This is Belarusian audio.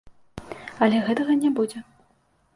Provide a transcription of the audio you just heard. Але гэтага не будзе.